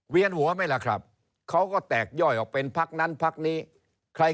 เวียนหัวไหมล่ะครับเขาก็แตกย่อยออกเป็นภักดิ์นั้นภักดิ์นี้